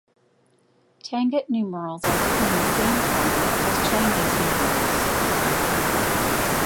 Tangut numerals are written in the same format as Chinese numerals.